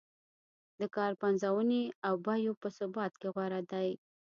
د کار پنځونې او بیو په ثبات کې غوره دی.